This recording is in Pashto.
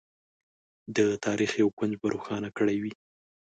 د تاریخ یو کونج به روښانه کړی وي.